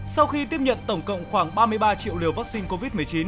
sau khi tiếp nhận tổng cộng khoảng ba mươi ba triệu liều vaccine covid một mươi chín